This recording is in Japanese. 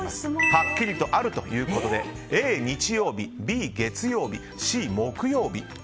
はっきりとあるということでＡ、日曜日Ｂ、月曜日Ｃ、木曜日。